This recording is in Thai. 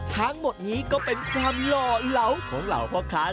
ทั้งหมดนี้ก็เป็นความหล่อเหลาของเหล่าพ่อค้า